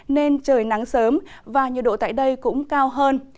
nên trời nắng sớm và nhiệt độ tại đây cũng cao hơn